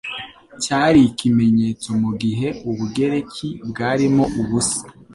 cyari kimenyetso mugihe Ubugereki bwarimo ubusa